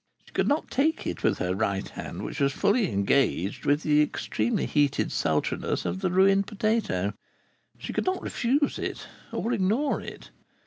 She could not take it with her right hand, which was fully engaged with the extremely heated sultriness of the ruined potato. She could not refuse it, or ignore it.